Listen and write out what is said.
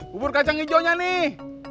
bubur kacang ijo nya nih